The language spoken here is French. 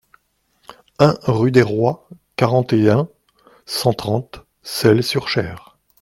un rue des Roies, quarante et un, cent trente, Selles-sur-Cher